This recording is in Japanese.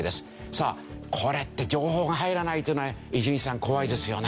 さあこれって情報が入らないというのは伊集院さん怖いですよね。